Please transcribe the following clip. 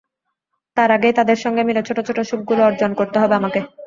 তার আগেই তাদের সঙ্গে মিলে ছোট ছোট সুখগুলো অর্জন করতে হবে আমাকে।